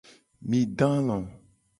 Mi do alo.